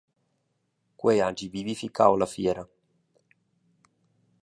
Quei hagi vivificau la fiera.